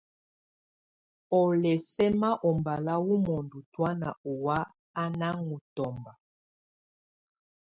Ɔ́ lɛ̀ sɛma ɔbala wɔ̀ mɔndɔ tɔ̀ána ɔwa á nà ɔŋ tɔ̀mba.